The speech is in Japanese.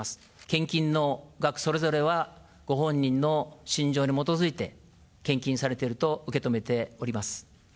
献金の額それぞれはご本人の信条に基づいて、献金されていると受け止めております。